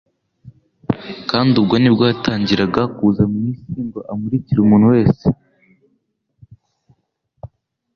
kandi ubwo nibwo yatangiraga kuza mu isi ngo amurikire umuntu wese'.